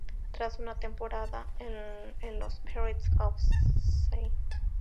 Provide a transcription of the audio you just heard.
Tras una temporada en los Spirits of St.